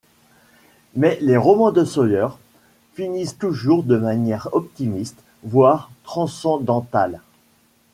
Mais les romans de Sawyer finissent toujours de manière optimiste voire transcendantale.